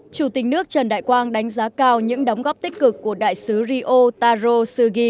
chủ tịch nước trần đại quang đánh giá cao những đóng góp tích cực của đại sứ rio taro sugi